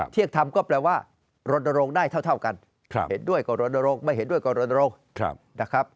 เที่ยงทำก็แปลว่ารณรงค์ได้เท่ากันเห็นด้วยก็รณรงค์ไม่เห็นด้วยก็รณรงค์นะครับ